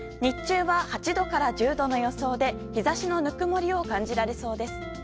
日中は８度から１０度の予想で日差しのぬくもりを感じられそうです。